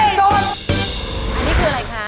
อันนี้คืออะไรคะ